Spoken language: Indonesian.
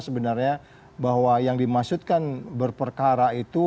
sebenarnya bahwa yang dimaksudkan berperkara itu